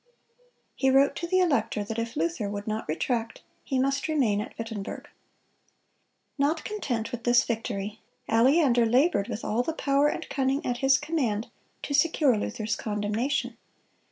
He wrote to the elector that if Luther would not retract, he must remain at Wittenberg. Not content with this victory, Aleander labored with all the power and cunning at his command to secure Luther's condemnation.